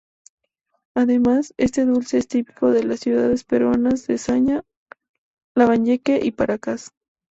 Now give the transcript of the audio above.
Además, este dulce es típico en las ciudades peruanas de Zaña, Lambayeque y Paracas.